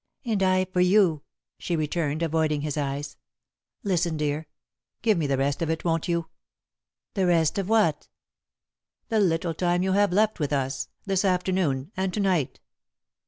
"And I for you," she returned, avoiding his eyes. "Listen, dear. Give me the rest of it, won't you?" [Sidenote: For the Last Time] "The rest of what?" "The little time you have left with us this afternoon and to night."